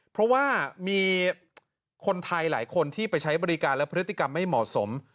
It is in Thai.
เพราะว่ามีคนไทยหลายคนที่ไปใช้บริการและพฤติกรรมไม่เหมาะสม